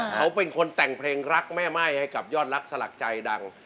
เขาเป็นคนแต่งเพลงรักแม่ไหม้ให้กับยอดรักสลักใจดัง